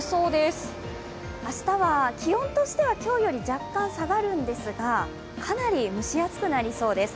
明日は気温としては今日より若干下がるんですが、かなり蒸し暑くなりそうです。